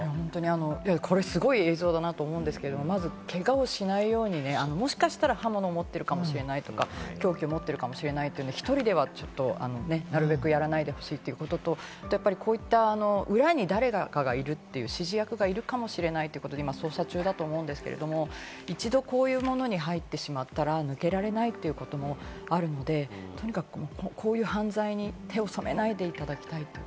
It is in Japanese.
これ、すごい映像だなと思うんですが、まずけがをしないように、もしかしたら刃物を持ってるかもしれない、凶器を持ってるかもしれない、１人ではなるべくやらないでほしいということと、こういった裏に誰か指示役がいるかもしれないということ、捜査中だと思うんですが、一度こういうものに入ってしまったら、抜けられないということもあるので、とにかくこういう犯罪に手を染めないでいただきたいという